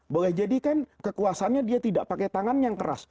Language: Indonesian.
boleh jadi kan kekuasaannya dia tidak pakai tangan yang keras